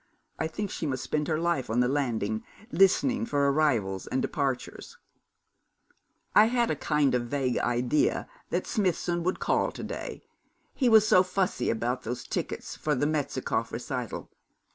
'I think she must spend her life on the landing, listening for arrivals and departures.' 'I had a kind of vague idea that Smithson would call to day. He was so fussy about those tickets for the Metzikoff recital.